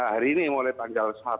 hari ini mulai tanggal satu